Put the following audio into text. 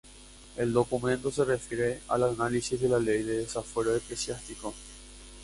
El documento se refiere al análisis de la ley de desafuero eclesiástico.